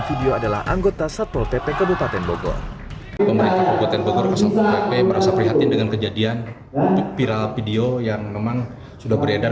video adalah anggota satwa pp kebupaten bogor kemudian viral video yang memang sudah beredar